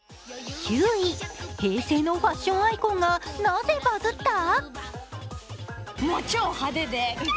平成のファッションアイコンがなぜバズった？